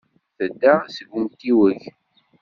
Tedda seg umtiweg.